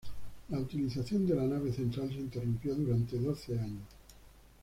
La utilización de la nave central se interrumpió durante doce años.